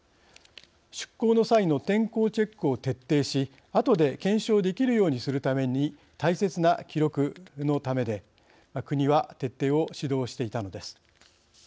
出港の際の天候チェックを徹底しあとで検証できるようにするために大切な記録のためで国は徹底を指導していたのです。